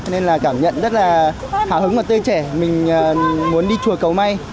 nên là cảm nhận rất là hào hứng và tê trẻ mình muốn đi chùa cầu may